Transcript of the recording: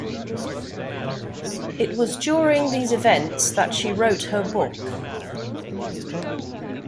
It was during these events that she wrote her book.